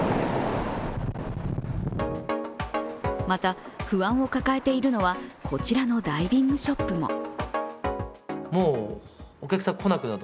また不安を抱えているのはこちらのダイビングショップも。